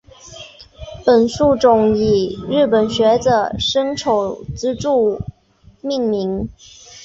本树种以日本学者森丑之助命名。